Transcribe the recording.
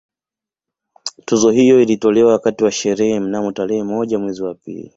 Tuzo hiyo ilitolewa wakati wa sherehe mnamo tarehe moja mwezi wa pili